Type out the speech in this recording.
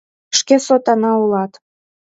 Шке сотана улат!